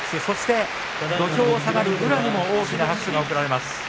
そして土俵を下がる宇良にも大きな拍手が送られます。